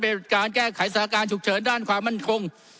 เป็นการแก้ไขสถานการณ์ฉุกเฉินด้านความมั่นคง